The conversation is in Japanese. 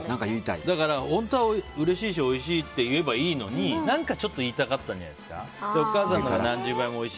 本当はうれしいしおいしいって言えばいいのに何かちょっと言いたかったんじゃないですか。